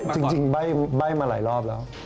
จริงใบ้มาหลายรอบแล้ว